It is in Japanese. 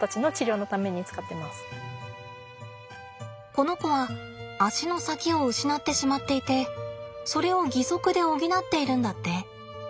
この子は脚の先を失ってしまっていてそれを義足で補っているんだって。